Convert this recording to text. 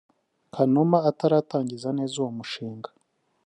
Kanuma ataratangiza neza uwo mushinga